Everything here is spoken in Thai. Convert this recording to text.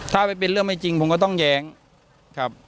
ถ้าเป็นเรื่องไม่จริงผมก็ต้องแย้งครับ